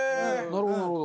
なるほどなるほど。